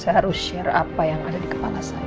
saya harus share apa yang ada di kepala saya